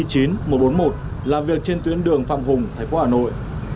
chốt công tác y chín một trăm bốn mươi một làm việc trên tuyến đường phạm hùng thái phố hà nội